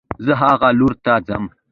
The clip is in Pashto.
زه هغه لور ته ځم